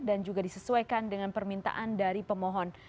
dan juga disesuaikan dengan permintaan dari pemohon